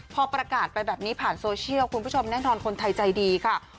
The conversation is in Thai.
พอประกาศไปแบบนี้ผ่านโซเชียลคุณผู้ชมแน่นอนคนไทยใจดีค่ะ